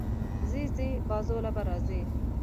ځې ځې، بازو له به راځې